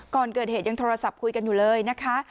ก่อนเกิดเหตุยังโทรศัพท์คุยกันอยู่เลยนะคะ